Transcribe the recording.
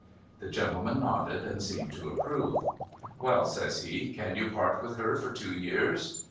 The gentleman nodded, and seemed to approve. ' Well,' says he, ' can you part with her for two years